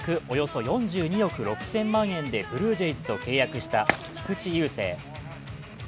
およそ４２億６０００万円でブルージェイズと契約した菊池雄星。